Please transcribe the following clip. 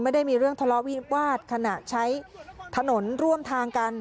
ไม่ได้มีเรื่องทะเลาะวิวาสขณะใช้ถนนร่วมทางกัน